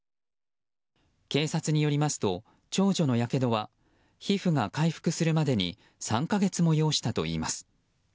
警察によりますと長女のやけどは皮膚が回復する前に３か月も要したといいます。